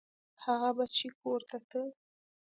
هغه به چې کور ته ته.